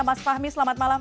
mas fahmi selamat malam